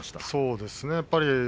そうですね。